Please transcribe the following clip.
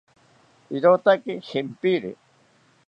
Irotaki shempiri